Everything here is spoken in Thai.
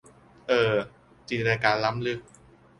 เอ่อ จินตนาการล้ำลึก